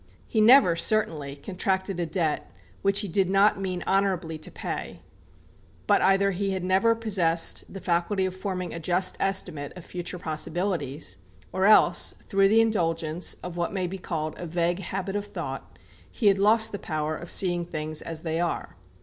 He never, certainly, contracted a debt which he did not mean honourably to pay. But either he had never possessed the faculty of forming a just estimate of future possibilities, or else, through the indulgence of what may be called a vague habit of thought, he had lost the power of seeing things as they are.